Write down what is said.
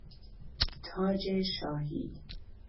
تاج شاهی